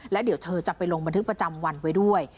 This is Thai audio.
แล้วเดี๋ยวเธอจะไปลงบันทึกประจำวันไว้ด้วย